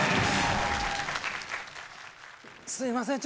すいません